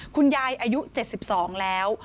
คุณยายอายุ๗๒แล้ว